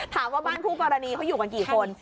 ถามว่าบ้านครูกรณีเขาอยู่กันกี่คน